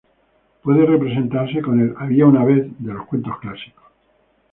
Puede representarse con el "Había una vez" de los cuentos clásicos.